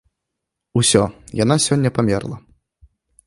Усё, яна сёння памерла.